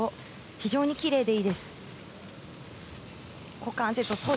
非常にきれいでいいです。